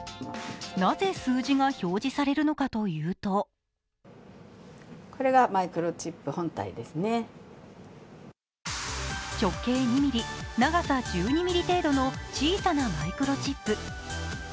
なぜ、数字が表示されるのかというと直径２ｍｍ、長さ１２ｍｍ程度の小さなマイクロチップ。